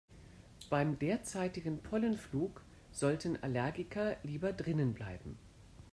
Beim derzeitigen Pollenflug sollten Allergiker lieber drinnen bleiben.